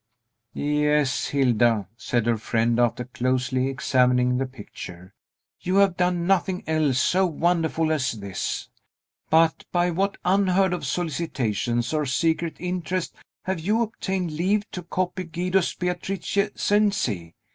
"Yes, Hilda," said her friend, after closely examining the picture, "you have done nothing else so wonderful as this. But by what unheard of solicitations or secret interest have you obtained leave to copy Guido's Beatrice Cenci?